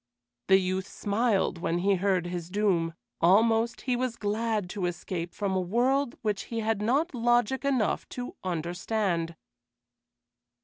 The youth smiled when he heard his doom; almost he was glad to escape from a world which he had not logic enough to understand.